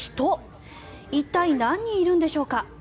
一体、何人いるんでしょうか。